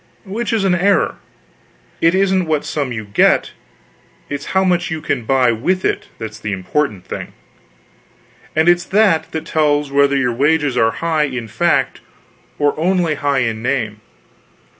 Which is an error. It isn't what sum you get, it's how much you can buy with it, that's the important thing; and it's that that tells whether your wages are high in fact or only high in name.